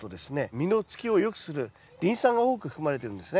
実のつきをよくするリン酸が多く含まれてるんですね。